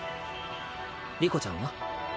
理子ちゃんは？